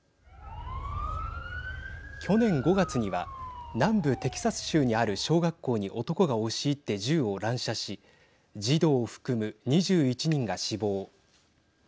去年５月には南部テキサス州にある小学校に男が押し入って銃を乱射し児童含む２１人が死亡。